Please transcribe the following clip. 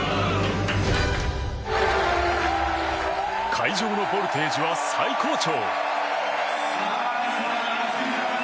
会場のボルテージは最高潮！